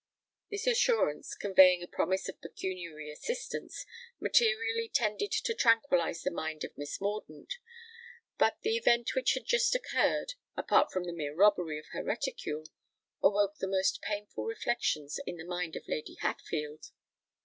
This assurance, conveying a promise of pecuniary assistance, materially tended to tranquillise the mind of Miss Mordaunt; but the event which had just occurred—apart from the mere robbery of her reticule—awoke the most painful reflections in the mind of Lady Hatfield.